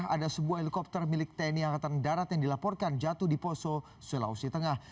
ada sebuah helikopter milik tni angkatan darat yang dilaporkan jatuh di poso sulawesi tengah